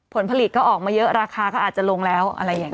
ผลผลิตก็ออกมาเยอะราคาก็อาจจะลงแล้ว